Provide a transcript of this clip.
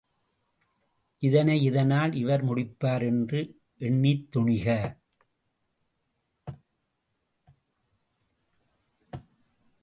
இதனை இதனால் இவர் முடிப்பார் என்று எண்ணித்துணிக!